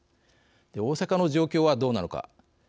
大阪の状況はどうなのか。